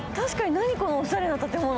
何このおしゃれな建物？